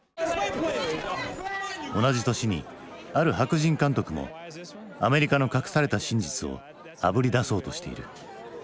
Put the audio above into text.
同じ年にある白人監督もアメリカの隠された真実をあぶり出そうとしている。